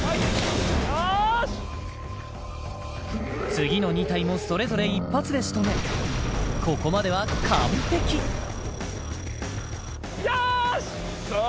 次の２体もそれぞれ一発で仕留めここまでは完璧よーし！